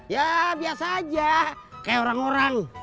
ya biasa aja kayak orang orang